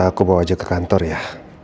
aku bawa aja ke kantor ya